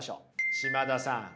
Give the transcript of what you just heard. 嶋田さん